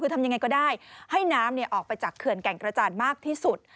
คือทำยังไงก็ได้ให้น้ำออกไปจากเขื่อนแก่งกระจานมากที่สุด